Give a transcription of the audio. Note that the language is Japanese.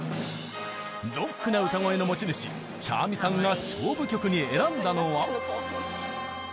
ロックな歌声の持ち主茶愛美さんが勝負曲に選んだのは。